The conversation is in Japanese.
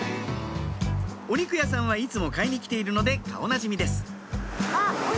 お肉屋さんはいつも買いに来ているので顔なじみです